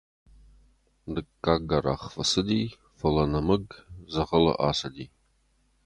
Дыккаг гӕрах фӕцыди, фӕлӕ нӕмыг дзӕгъӕлы ацыди.